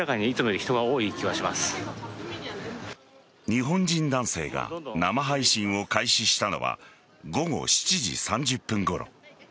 日本人男性が生配信を開始したのは午後７時３０分ごろ。